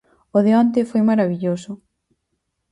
O de onte foi marabilloso.